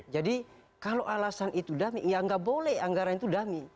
jadi kalau alasan itu dami ya nggak boleh anggaran itu dami